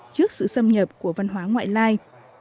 trước sự xâm nhập của văn hóa ngoại lai